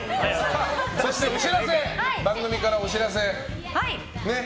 そして番組からお知らせ。